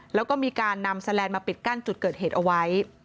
แล้วก็มีการนำแสลนด์มาปิดกั้นจุดเกิดเหตุเอาไว้